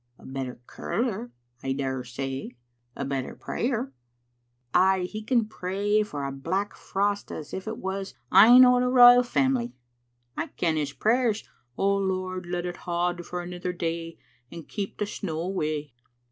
" A better curler, I dare say." i "A better prayer." " Ay, he can pray for a black frost as if it was ane o' the Royal Family. I ken his prayers, 'O Lord, let it haud for anither day, and keep the snaw awa*.